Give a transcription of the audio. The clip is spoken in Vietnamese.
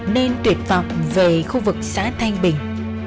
nên tuyệt vọng về khu vực xã thanh bình